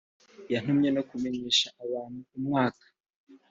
yantumye no kumenyesha abantu umwaka